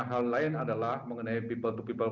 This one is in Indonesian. hal lain adalah mengenai people to people